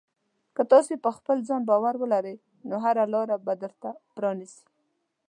که تاسې په خپل ځان باور ولرئ، نو هره لاره به درته پرانیزي.